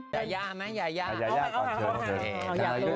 ยายามั้ยยายา